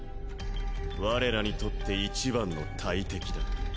我らにとっていちばんの大敵だ。